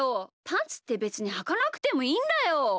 パンツってべつにはかなくてもいいんだよ！